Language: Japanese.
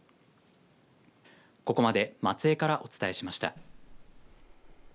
ここまで松江からお伝えしました。